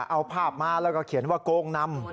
เอาภาพมาแล้วก็เขียนว่าโกงนำ